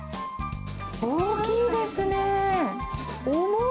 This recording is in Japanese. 大きいですねー。